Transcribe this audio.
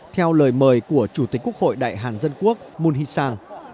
theo lời mời của chủ tịch quốc hội đại hàn dân quốc moon hee sang